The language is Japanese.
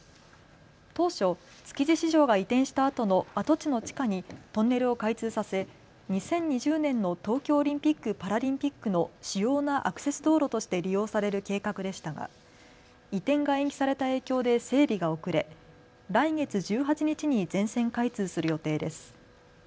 当初、築地市場が移転したあとの跡地の地下にトンネルを開通させ２０２０年の東京オリンピック・パラリンピックの主要なアクセス道路として利用される計画でしたが移転が延期された影響で整備が遅れ来月１８日に全線開通する予定です。